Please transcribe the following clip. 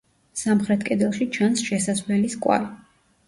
სამხრეთ კედელში ჩანს შესასვლელის კვალი.